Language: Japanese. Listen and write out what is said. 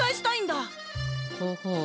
ほほう。